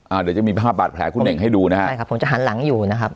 เดี๋ยวจะมีภาพบาดแผลคุณเน่งให้ดูนะฮะใช่ครับผมจะหันหลังอยู่นะครับ